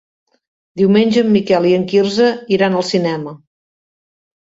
Diumenge en Miquel i en Quirze iran al cinema.